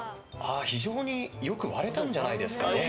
非常によく割れたんじゃないですかね。